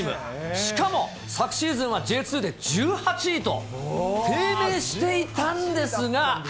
しかも、昨シーズンはＪ２で１８位と低迷していたんですが。